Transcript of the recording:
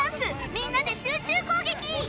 みんなで集中攻撃